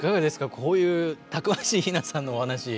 こういうたくましいひなさんのお話。